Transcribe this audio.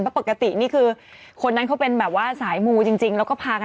ฮ่าจะให้แค่คิดแบบว่าม็อตไทน์ใช่ไหม